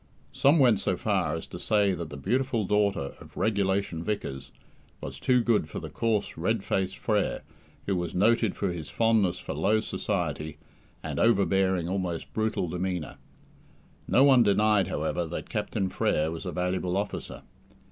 Some went so far as to say that the beautiful daughter of "Regulation Vickers" was too good for the coarse red faced Frere, who was noted for his fondness for low society, and overbearing, almost brutal demeanour. No one denied, however, that Captain Frere was a valuable officer.